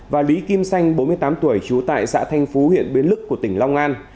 và lý kim xanh bốn mươi tám tuổi trú tại xã thanh phú huyện biến lức tỉnh long an